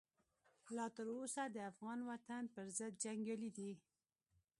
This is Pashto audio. لا تر اوسه د افغان وطن پرضد جنګیالي دي.